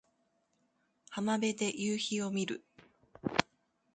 浜辺で夕陽を見る